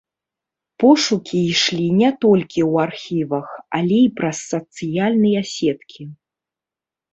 Пошукі ішлі не толькі ў архівах, але і праз сацыяльныя сеткі.